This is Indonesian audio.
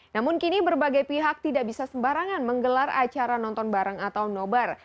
namun kini berbagai pihak tidak bisa sembarangan menggelar acara nonton bareng atau nobar